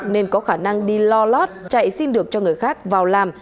nên có khả năng đi lo lót chạy xin được cho người khác vào làm